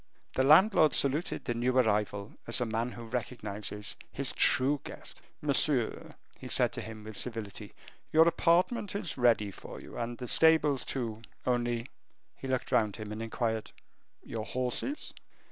The landlord saluted the new arrival as a man who recognizes his true guest. "Monsieur," he said to him, with civility, "your apartment is ready for you, and the stables too, only " He looked round him and inquired, "Your horses?"